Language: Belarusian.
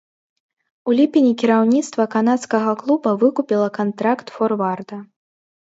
У ліпені кіраўніцтва канадскага клуба выкупіла кантракт форварда.